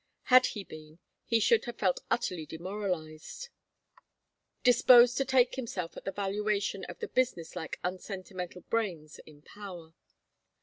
Had he been he should have felt utterly demoralized, disposed to take himself at the valuation of the business like unsentimental brains in power.